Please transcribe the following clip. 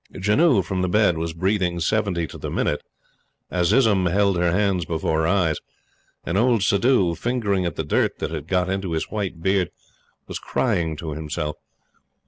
Janoo from the bed was breathing seventy to the minute; Azizun held her hands before her eyes; and old Suddhoo, fingering at the dirt that had got into his white beard, was crying to himself.